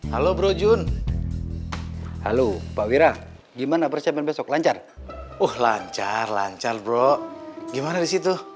halo bro jun halo pak wira gimana persiapan besok lancar wah lancar lancar bro gimana disitu